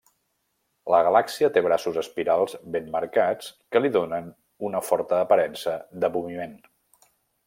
La galàxia té braços espirals ben marcats que li donen una forta aparença de moviment.